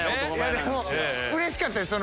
うれしかったです